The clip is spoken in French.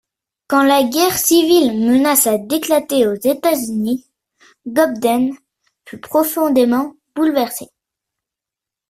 Quand la Guerre civile menaça d'éclater aux États-Unis, Cobden fut profondément bouleversé.